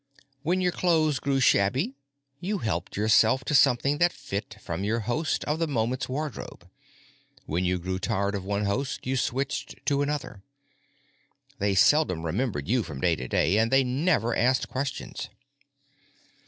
When your clothes grew shabby you helped yourself to something that fit from your host of the moment's wardrobe. When you grew tired of one host you switched to another. They seldom remembered you from day to day, and they never asked questions.